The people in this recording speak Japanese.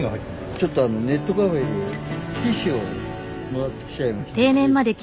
ちょっとネットカフェでティッシュをもらってきちゃいまして。